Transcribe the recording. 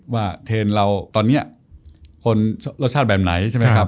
ว่าเทรนด์เราตอนนี้รสชาติแบบไหน